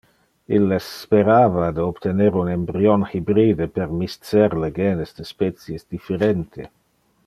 Illes sperava de obtener un embryon hybride per miscer le genes de species differente.